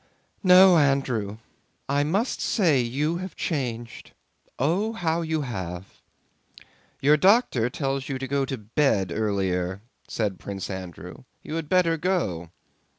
"No, Andrew, I must say you have changed. Oh, how you have...." "Your doctor tells you to go to bed earlier," said Prince Andrew. "You had better go."